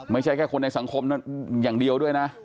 ไม่ใช่แค่คนในสังคมอย่างเดียวด้วยนะ